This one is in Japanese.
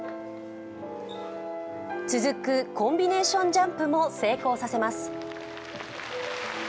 続くコンビネーションジャンプも成功させます。